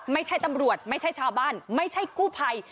ไม่ใช่ตำรวจไม่ใช่ชาวบ้านไม่ใช่กู้ภัย